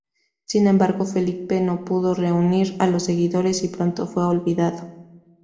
Sin embargo, Felipe no pudo reunir a los seguidores y pronto fue olvidado.